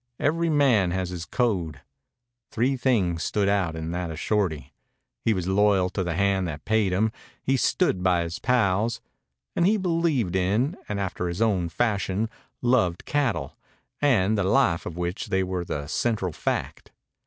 Every man has his code. Three things stood out in that of Shorty. He was loyal to the hand that paid him, he stood by his pals, and he believed in and after his own fashion loved cattle and the life of which they were the central fact.